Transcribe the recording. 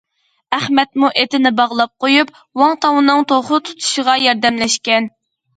ئەخمەتمۇ ئىتنى باغلاپ قويۇپ ۋاڭ تاۋنىڭ توخۇ تۇتۇشىغا ياردەملەشكەن.